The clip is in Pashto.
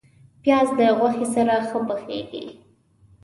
پیاز د غوښې سره ښه پخیږي